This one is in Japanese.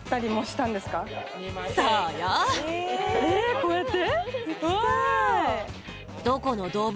こうやって？